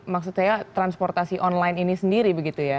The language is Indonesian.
maksud saya transportasi online ini sendiri begitu ya